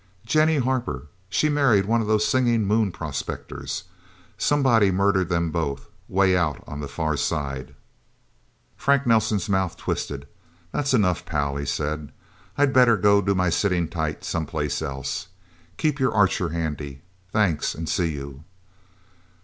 "Jennie Harper. She married one of those singing Moon prospectors. Somebody murdered them both way out on Far Side." Frank Nelsen's mouth twisted. "That's enough, pal," he said. "I better go do my sitting tight someplace else. Keep your Archer handy. Thanks, and see you..."